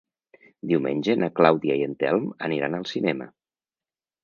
Diumenge na Clàudia i en Telm aniran al cinema.